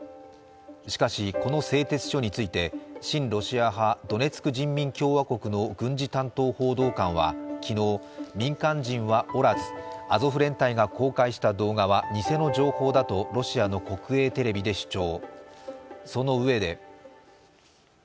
しかし、この製鉄所について親ロシア派ドネツク人民共和国の軍事担当報道官は昨日、民間人はおらずアゾフ連隊が公開した動画は偽の情報だとロシアの国営テレビで主張。